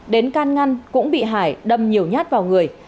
đến can ngăn cũng bị hải đâm nhiều nhát vào người